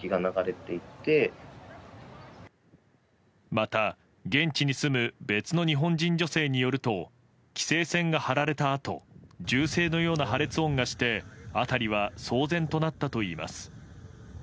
また、現地に住む別の日本人女性によると規制線が張られたあと銃声のような破裂音がして辺りは騒然となったといいます。